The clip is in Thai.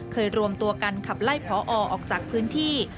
รวมตัวกันขับไล่พอออกจากพื้นที่